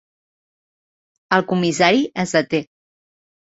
El comissari es deté.